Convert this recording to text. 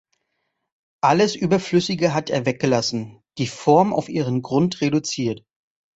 Alles Überflüssige hat er weggelassen; die Form auf ihren Grund reduziert.